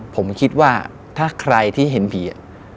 ผมคิดว่าถ้าใครที่เห็นผี